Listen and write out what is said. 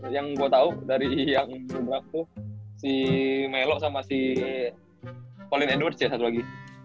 yang gue tahu dari yang dulu aku si melo sama si colin endorse ya satu lagi